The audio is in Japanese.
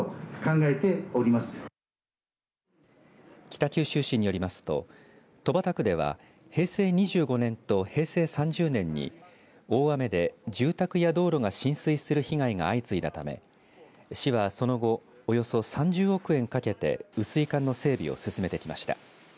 北九州市によりますと戸畑区では平成２５年と平成３０年に大雨で住宅や道路が浸水する被害が相次いだため市は、その後およそ３０億円かけて雨水管の整備を進めてきました。